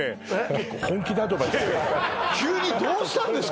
結構急にどうしたんですか？